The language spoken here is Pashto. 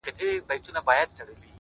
د اور ورين باران لمبو ته چي پناه راوړې _